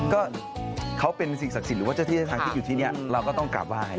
ก็เขาเป็นสิทธิ์ศักดิ์สิทธิ์หรือว่าที่อยู่ที่นี้เราก็ต้องกราบไหว้